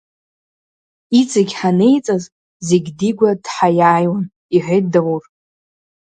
Иҵегь ҳанеиҵаз зегьы Дигәа дҳаиааиуан, — иҳәеит Заур.